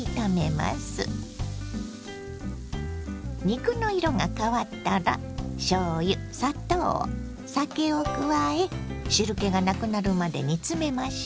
肉の色が変わったらしょうゆ砂糖酒を加え汁けがなくなるまで煮詰めましょ。